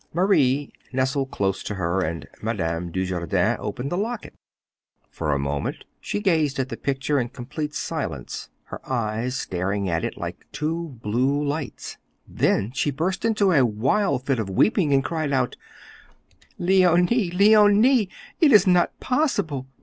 Marie nestled close to her, and Madame Dujardin opened the locket. For a moment she gazed at the picture in complete silence, her eyes staring at it like two blue lights. Then she burst into a wild fit of weeping, and cried out, "Leonie! Leonie! It is not possible!